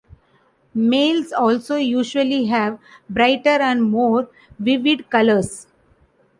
Males also usually have brighter and more vivid colors.